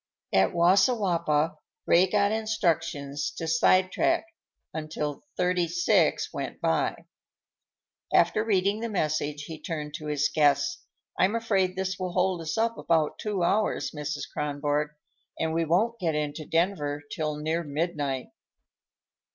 At Wassiwappa, Ray got instructions to sidetrack until Thirty six went by. After reading the message, he turned to his guests. "I'm afraid this will hold us up about two hours, Mrs. Kronborg, and we won't get into Denver till near midnight."